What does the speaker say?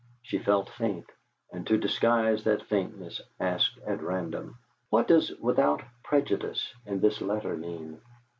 She felt faint, and to disguise that faintness asked at random, "What does 'without prejudice' in this letter mean?"